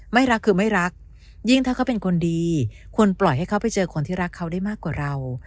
ไม่รักคือไม่รักยิ่งถ้าเขาเป็นคนดีควรปล่อยให้เขาไปเจอคนที่รักเขาได้มากกว่าเรา